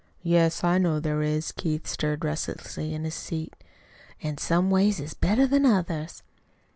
"Yes, I know there is." Keith stirred restlessly in his seat. "An' some ways is better than others."